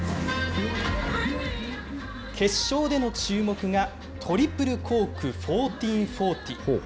決勝での注目がトリプルコークフォーティーンフォーティ。